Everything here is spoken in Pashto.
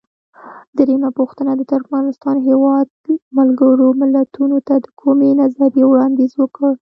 درېمه پوښتنه: د ترکمنستان هیواد ملګرو ملتونو ته د کومې نظریې وړاندیز وکړ؟